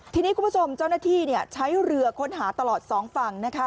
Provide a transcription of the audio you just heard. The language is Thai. ทีนี้คุณผู้ชมเจ้าหน้าที่ใช้เรือค้นหาตลอดสองฝั่งนะคะ